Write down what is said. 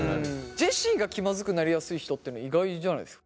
ジェシーが気まずくなりやすい人っていうのは意外じゃないですか？